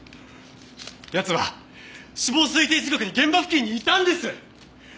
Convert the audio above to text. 奴は死亡推定時刻に現場付近にいたんです！